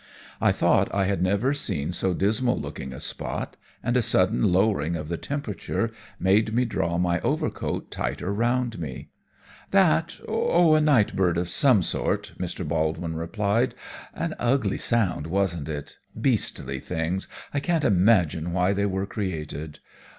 I thought I had never seen so dismal looking a spot, and a sudden lowering of the temperature made me draw my overcoat tighter round me. "That oh, a night bird of some sort," Mr. Baldwin replied. "An ugly sound, wasn't it? Beastly things, I can't imagine why they were created.